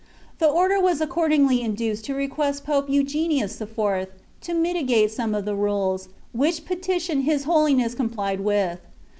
The Order was accordingly induced to request Pope Eugenius lY. to mitigate some of the rules, which petition his Holiness complied with.